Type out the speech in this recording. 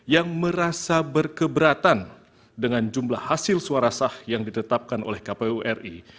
yang merasa berkeberatan dengan jumlah hasil suara sah yang ditetapkan oleh kpu ri